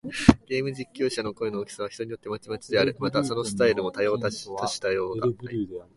ゲーム実況者の声の大きさは、人によってまちまちである。また、そのスタイルも多種多様だ。